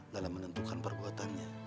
dalam menentukan perbuatannya